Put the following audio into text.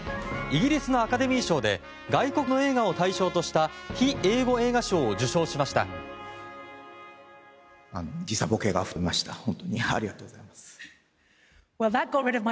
イギリスのアカデミー賞で外国語の映画を対象とした非英語映画賞を受賞しました。